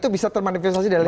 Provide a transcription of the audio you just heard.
bisa termanifestasi dari